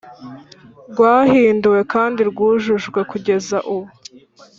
ryahinduwe kandi ryujujwe kugeza ubu